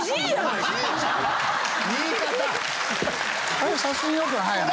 この写真良くないな。